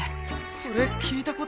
それ聞いたことある